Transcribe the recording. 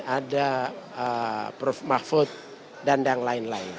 ada prof mahfud dan yang lain lain